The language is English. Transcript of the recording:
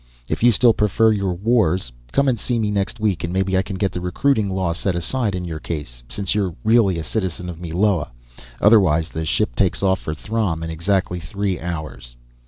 If you still prefer your wars, come and see me next week, and maybe I can get the recruiting law set aside in your case, since you're really a citizen of Meloa. Otherwise, the ship takes off for Throm in exactly three hours."